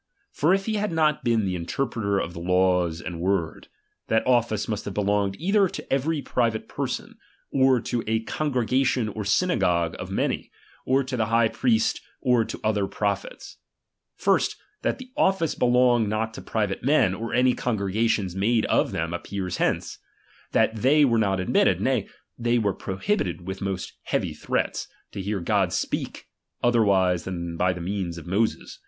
For if he had not been the interpreter of the laws and word, that office must have belonged either to every private person, or to a congregation or synagogue of many, or to the high priest or to other prophets. First, that that office belonged not to private men, or any congregation made of them, appears hence ; that RELIGION. they were not admitted, nay, they were prohibited chap. xvi. with most heavy threats, to hear God speak, other ""'" wise than by the means of Moses.